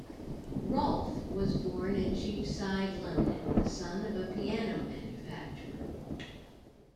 Rolfe was born in Cheapside, London, the son of a piano manufacturer.